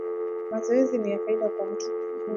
Mazowezi niya faida kwa mtu